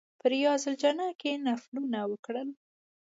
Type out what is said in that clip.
په ریاض الجنه کې نفلونه وکړل.